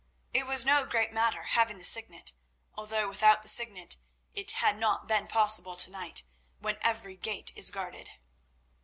It was no great matter, having the Signet, although without the Signet it had not been possible to night, when every gate is guarded."